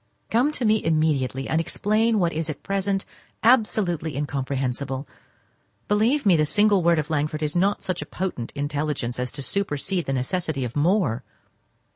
Come to me immediately, and explain what is at present absolutely incomprehensible. Believe me, the single word of Langford is not of such potent intelligence as to supersede the necessity of more.